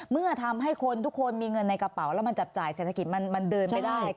เมื่อทำให้คนทุกคนมีเงินในกระเป๋าแล้วมันจับจ่ายเศรษฐกิจมันเดินไม่ได้